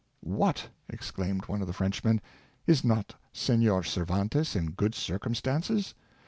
" What! " exclaimed one of the Frenchmen '^ is not Senor Cervantes in good circumstances.